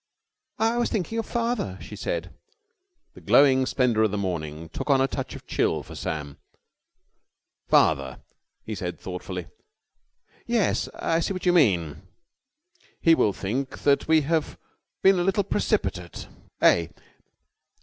"I was thinking of father," she said. The glowing splendour of the morning took on a touch of chill for Sam. "Father!" he said thoughtfully. "Yes, I see what you mean! He will think that we have been a little precipitate, eh?